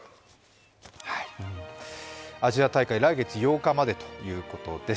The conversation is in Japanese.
アジア大会、来月８日までということです。